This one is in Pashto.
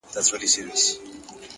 که مړ سوم نو ومنه!